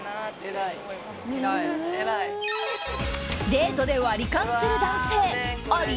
デートで割り勘する男性あり？